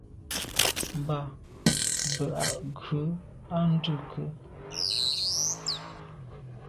Mba be a’ ghù à ndùke.